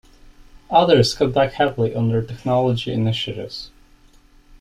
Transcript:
Others cut back heavily on their technology initiatives.